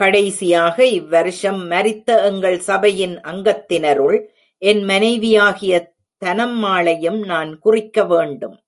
கடைசியாக இவ் வருஷம் மரித்த எங்கள் சபையின் அங்கத்தினருள், என் மனைவியாகிய தனம்மாளையும் நான் குறிக்கவேண்டும்.